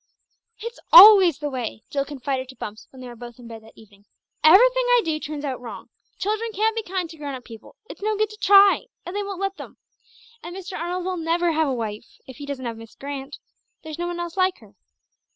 "It's always the way," Jill confided to Bumps when they were both in bed that evening; "everything I do turns out wrong. Children can't be kind to grown up people. It's no good to try. They won't let them. And Mr. Arnold will never have a wife, if he doesn't have Miss Grant. There's no one else like her."